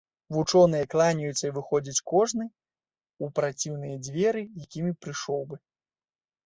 Вучоныя кланяюцца і выходзяць кожны ў праціўныя дзверы, якімі прыйшоў быў.